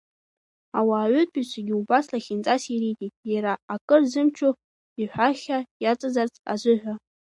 Ауаатәыҩсагьы убас лахьынҵас ириҭеит, иара акыр зымчу иҳәахьа иаҵазарц азыҳәа.